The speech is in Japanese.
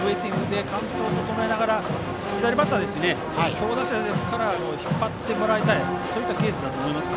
カウントと整えながら左バッターですから引っ張ってもらいたいそういったケースだと思います。